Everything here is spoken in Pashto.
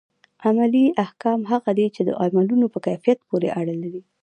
عملي احکام هغه دي چي د عملونو په کيفيت پوري اړه لري.